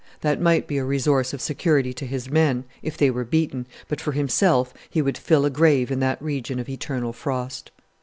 That might be a resource of security to his men, if they were beaten, but for himself he would fill a grave in that region of eternal frost.